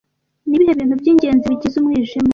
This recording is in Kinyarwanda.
Ni ibihe bintu by'ingenzi bigize Umwijima